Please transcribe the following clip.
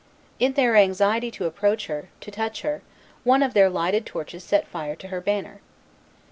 In their anxiety to approach her, to touch her, one of their lighted torches set fire to her banner.